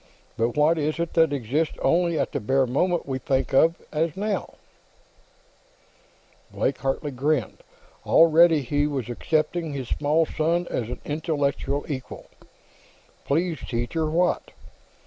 But what is it that exists only at the bare moment we think of as now?" Blake Hartley grinned. Already, he was accepting his small son as an intellectual equal. "Please, teacher; what?"